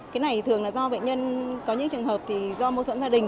cái này thường là do bệnh nhân có những trường hợp thì do mâu thuẫn gia đình